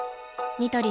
ニトリ